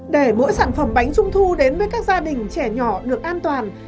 để mỗi sản phẩm bánh trung thu đến với các gia đình trẻ nhỏ được an toàn